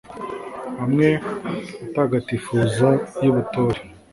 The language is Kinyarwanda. amwe atagatifuza, y’ubutore